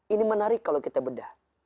ini menarik kalau kita bedah